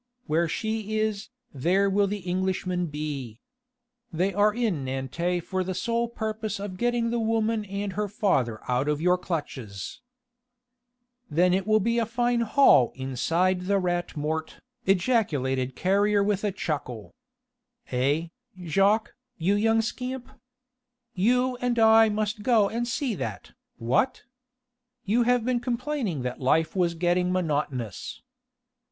"Where she is, there will the Englishmen be. They are in Nantes for the sole purpose of getting the woman and her father out of your clutches...." "Then it will be a fine haul inside the Rat Mort," ejaculated Carrier with a chuckle. "Eh, Jacques, you young scamp? You and I must go and see that, what? You have been complaining that life was getting monotonous.